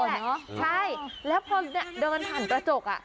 ใช่แล้วพอเดินผ่านกระจกอ่ะ